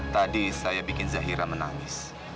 tadi saya bikin zahira menangis